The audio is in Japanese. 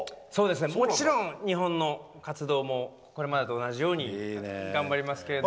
もちろん、日本の活動もこれまでと同じように頑張りますけど。